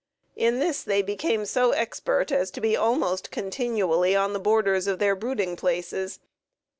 In this they became so expert as to be almost continually on the borders of their brooding places.